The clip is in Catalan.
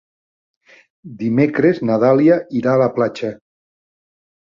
Dimecres na Dàlia irà a la platja.